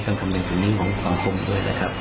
ต้องทำหน้าที่นี่ของสังคมด้วยแล้วครับ